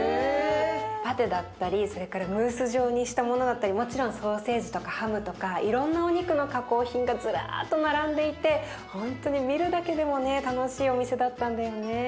パテだったりそれからムース状にしたものだったりもちろんソーセージとかハムとかいろんなお肉の加工品がずらっと並んでいてほんとに見るだけでもね楽しいお店だったんだよね。